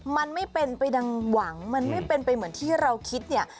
มันไม่เป็นไปดังหวังมันไม่เป็นไปเหมือนที่เราคิดเนี่ย